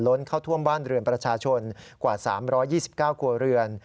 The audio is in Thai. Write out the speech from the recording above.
เอ่อล้นเข้าท่วมบ้านเรือนประชาชนกว่า๓๒๙กว่าเรือน